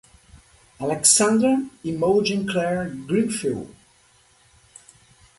Alexandra Imogen Clair Grenfell.